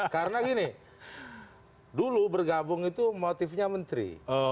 karena gini dulu bergabung itu motifnya menteri